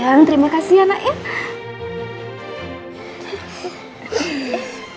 sayang terima kasih ya nenek